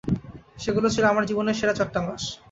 সেগুলো ছিল আমার জীবনের সেরা চারটা মাস।